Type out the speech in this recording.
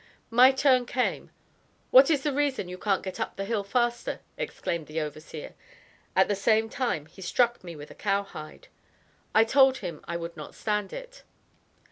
"My turn came." "What is the reason you can't get up the hill faster?" exclaimed the overseer, at the same time he struck me with a cowhide. "I told him I would not stand it."